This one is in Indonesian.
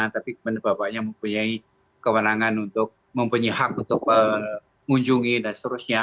tapi bapaknya mempunyai kewenangan untuk mempunyai hak untuk mengunjungi dan seterusnya